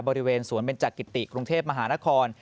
บริเวณสวนเบนจักริติกรุงเทพมหานคร